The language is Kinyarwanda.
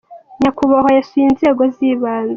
nyakubahwa yasuye inzego z'ibanze.